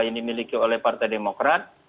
yang dimiliki oleh partai demokrat